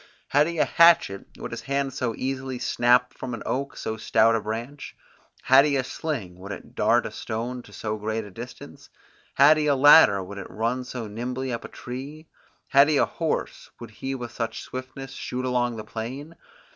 Had he a hatchet, would his hand so easily snap off from an oak so stout a branch? Had he a sling, would it dart a stone to so great a distance? Had he a ladder, would he run so nimbly up a tree? Had he a horse, would he with such swiftness shoot along the plain?